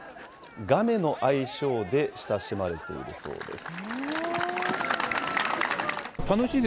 ガメの愛称で親しまれているそうです。